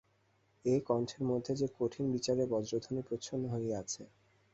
এ কণ্ঠের মধ্যে যে কঠিন বিচারের বজ্রধ্বনি প্রচ্ছন্ন হইয়া আছে।